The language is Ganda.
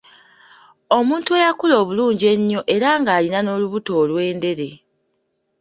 Omuntu eyakula obulungi ennyo era ng'alina n'olubuto olwendeere.